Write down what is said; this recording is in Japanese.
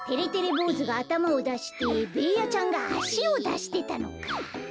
ぼうずがあたまをだしてべーヤちゃんがあしをだしてたのか。